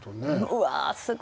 うわすごい。